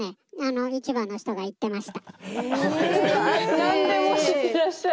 何でも知ってらっしゃる。